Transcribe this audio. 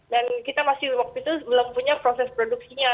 dan kita masih waktu itu belum punya proses produksinya